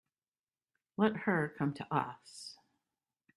Let her come to us.